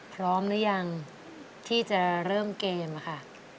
พร้อมหรือยังที่จะเริ่มเกมอะค่ะ